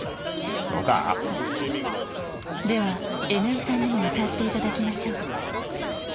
ではＮ井さんにも歌って頂きましょう。